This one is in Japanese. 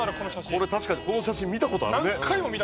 これ確かにこの写真見た事あるね。